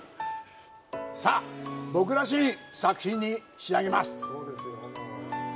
さあ、僕らしい作品に仕上げます！